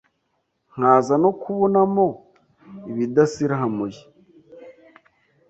nkaza no kubonamo ibidasiramuye.